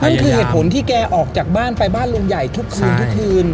นั่นคือเหตุผลที่แกออกจากบ้านไปบ้านลุงใหญ่ทุกคืนทุกคืน